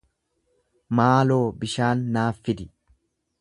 Maaloo bishaan naaf fidi.